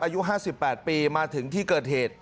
อายุ๕๘ปีมาถึงที่เกิดเหตุ